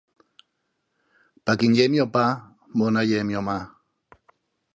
Pa quien ye mio pá, bona ye mio ma.